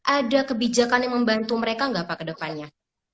ada kebijakan yang membantu mereka nggak pak kedepannya